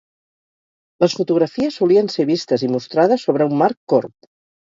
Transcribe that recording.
Les fotografies solien ser vistes i mostrades sobre un marc corb.